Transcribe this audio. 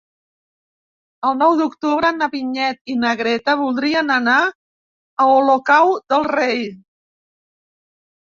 El nou d'octubre na Vinyet i na Greta voldrien anar a Olocau del Rei.